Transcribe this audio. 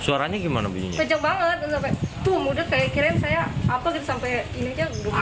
suaranya gimana bunyi sejak banget sampai tuh udah kayak keren saya apa sampai ini juga belum